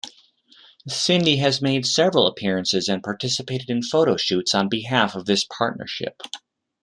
Cindy has made several appearances and participated in photoshoots on behalf of this partnership.